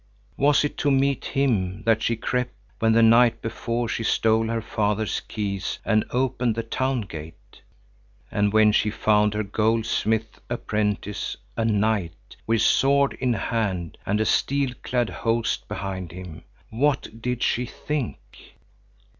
Was it to meet him that she crept, when the night before she stole her father's keys and opened the town gate? And when she found her goldsmith's apprentice a knight with sword in hand and a steel clad host behind him, what did she think?